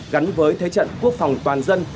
gắn với thế trận quốc phòng toàn dân